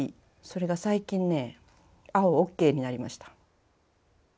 それが最近ね青ＯＫになりました。